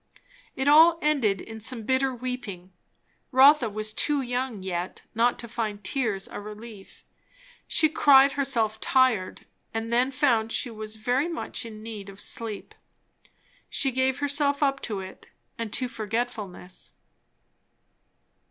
It all ended in some bitter weeping. Rotha was too young yet not to find tears a relief. She cried herself tired; and then found she was very much in need of sleep. She gave herself up to it, and to forgetfulness.